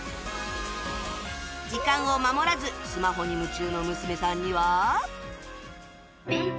時間を守らずスマホに夢中の娘さんには